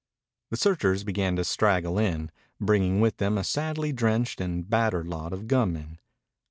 The searchers began to straggle in, bringing with them a sadly drenched and battered lot of gunmen.